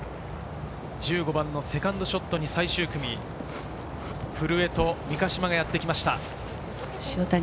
１５番のセカンドショットに最終組、古江と三ヶ島がやってきました。